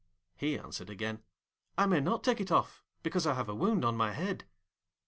He answered again, 'I may not take it off, because I have a wound on my head.'